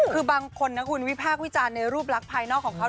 คือบางคนนะคุณวิพากษ์วิจารณ์ในรูปลักษณ์ภายนอกของเขา